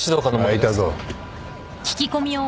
空いたぞ。